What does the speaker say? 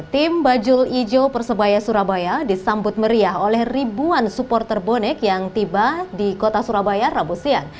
tim bajul ijo persebaya surabaya disambut meriah oleh ribuan supporter bonek yang tiba di kota surabaya rabu siang